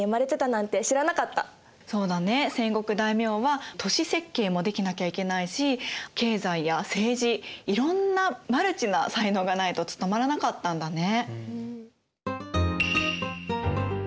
戦国大名は都市設計もできなきゃいけないし経済や政治いろんなマルチな才能がないと務まらなかったんだね。